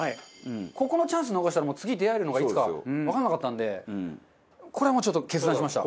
ここのチャンス逃したらもう次出会えるのがいつかわかんなかったんでこれはもうちょっと決断しました。